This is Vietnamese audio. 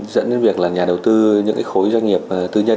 dẫn đến việc nhà đầu tư những khối doanh nghiệp tư nhân